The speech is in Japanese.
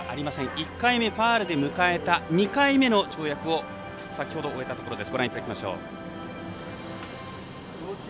１回目ファウルで迎えた２回目の跳躍先ほど終わったところです。